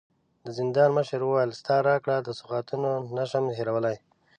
د زندان مشر وويل: ستا راکړي سوغاتونه نه شم هېرولی.